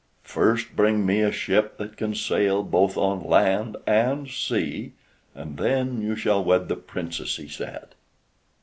"First bring me a ship that can sail both on land and sea, and then you shall wed the Princess," he said.